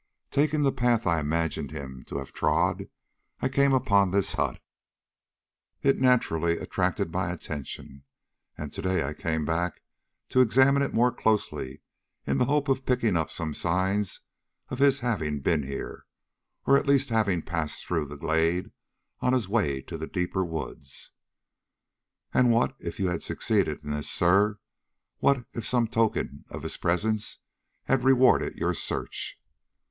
Taking the path I imagined him to have trod, I came upon this hut. It naturally attracted my attention, and to day I came back to examine it more closely in the hope of picking up some signs of his having been here, or at least of having passed through the glade on his way to the deeper woods." "And what, if you had succeeded in this, sir? What, if some token of his presence had rewarded your search?"